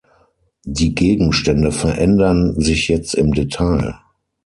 Die Gegenstände verändern sich jetzt im Detail.